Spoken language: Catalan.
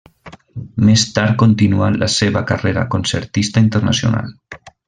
Més tard continuà la seva carrera concertista internacional.